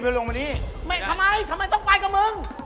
ทำไมทำไมต้องไปกับมึง